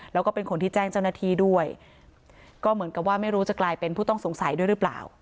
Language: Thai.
แล้วก็เป็นคนที่แจ้งเจ้าหน้าที่ด้วยก็เหมือนกับว่าไม่รู้จะกลายเป็นผู้ต้องสงสัยด้วยหรือเปล่า